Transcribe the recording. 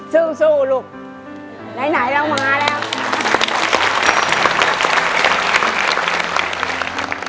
สู้ลูกไหนเรามาแล้ว